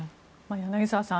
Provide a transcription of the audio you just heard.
柳澤さん